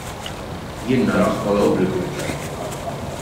Jien narah bħala obbligu.